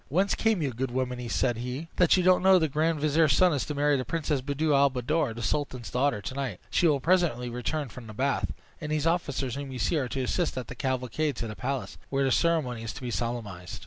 "Whence came you, good woman," said he, "that you don't know that the grand vizier's son is to marry the princess Buddir al Buddoor, the sultan's daughter, to night? She will presently return from the bath; and these officers whom you see are to assist at the cavalcade to the palace, where the ceremony is to be solemnized."